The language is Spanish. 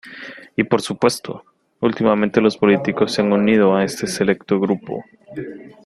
Y por supuesto, últimamente los políticos se han unido a este selecto grupo.